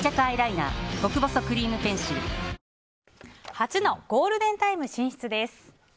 初のゴールデンタイム進出です。